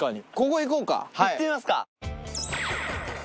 行ってみますか！